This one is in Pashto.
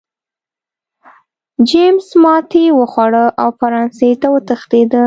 جېمز ماتې وخوړه او فرانسې ته وتښتېد.